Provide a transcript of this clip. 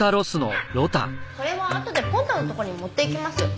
これはあとでポンタのところに持っていきます。